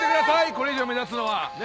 これ以上目立つのは。